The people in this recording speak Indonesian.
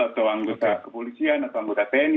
atau anggota kepolisian atau anggota tni